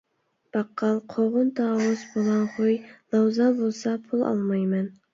باققال: قوغۇن-تاۋۇز بولاڭخۇي، لاۋزا بولسا پۇل ئالمايمەن.